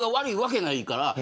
それが悪いわけないから。